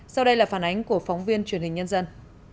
sau đây là phản ánh của phóng viên truyền hình nhân dân